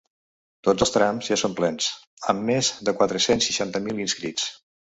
Tots els trams ja són plens, amb més de quatre-cents seixanta mil inscrits.